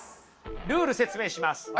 ルール説明します。